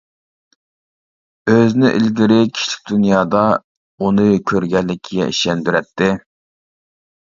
ئۆزىنى ئىلگىرى كىشىلىك دۇنيادا ئۇنى كۆرگەنلىكىگە ئىشەندۈرەتتى.